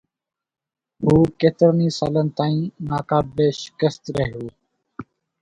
هو ڪيترن ئي سالن تائين ناقابل شڪست رهيو